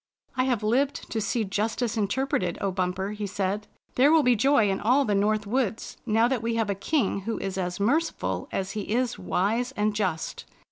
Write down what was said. "I have lived to see justice interpreted, O Bumper," he said. " There wiU be joy in all the North Woods now that we have a king who is as merciful as he is wise and just.